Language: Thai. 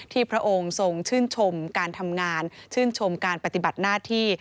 พระองค์ทรงชื่นชมการทำงานชื่นชมการปฏิบัติหน้าที่